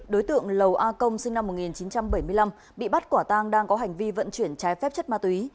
đối tượng lầu a công sinh năm một nghìn chín trăm bảy mươi năm bị bắt quả tang đang có hành vi vận chuyển trái phép chất ma túy